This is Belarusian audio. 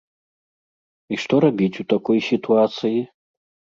І што рабіць у такой сітуацыі?